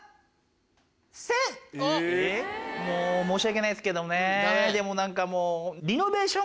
申し訳ないですけどもねでも何かもう。